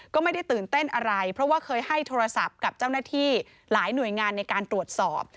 ก็ไม่ได้ตื่นเต้นอะไรเพราะว่าเคยให้โทรศัพท์กับเจ้าหน้าที่หลายหน่วยงานในการตรวจสอบ